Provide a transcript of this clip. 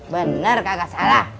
bener kagak salah